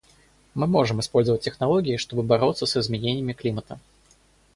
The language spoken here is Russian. Мы можем использовать технологии, чтобы бороться с изменением климата.